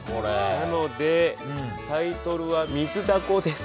なのでタイトルは「水ダコ」です。